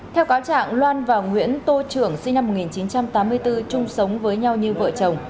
theo cáo trạng loan và nguyễn tô trưởng sinh năm một nghìn chín trăm tám mươi bốn chung sống với nhau như vợ chồng